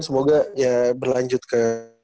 semoga ya berlanjut ke